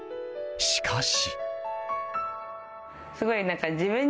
しかし。